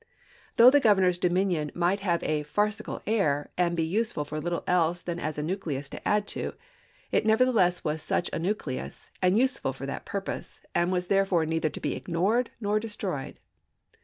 Though the Governor's dominion might have a u farcical air," and be " useful for little else than as a nucleus to add to," it nevertheless was such a nucleus, and useful for that purpose, and was there fore neither to be ignored nor destroyed.